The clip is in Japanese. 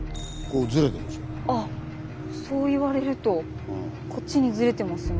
あっそう言われるとこっちにずれてますね。